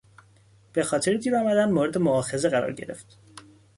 به خاطر دیر آمدن مورد موآخذه قرار گرفت.